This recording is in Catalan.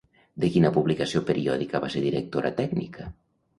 De quina publicació periòdica va ser directora tècnica?